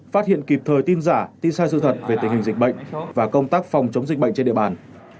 phát hiện kịp thời tin giả tin sai sự thật về tình hình dịch bệnh và công tác phòng chống dịch bệnh trên địa bàn